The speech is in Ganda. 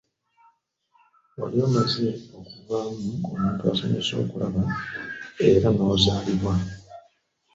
Wali omaze okuvaamu omuntu asanyusa okulaba era n'ozaalibwa.